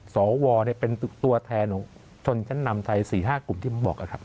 สวเป็นตัวแทนของชนชั้นนำไทย๔๕กลุ่มที่ผมบอกครับ